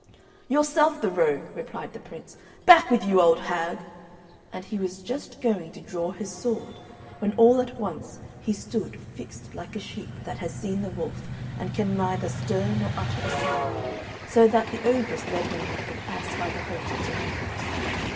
"Yourself the rogue," replied the Prince, "back with you, old hag!" And he was just going to draw his sword, when all at once he stood fixed like a sheep that has seen the wolf and can neither stir nor utter a sound, so that the ogress led him like an ass by the halter to her house.